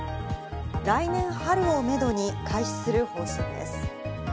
来年春をめどに開始する方針です。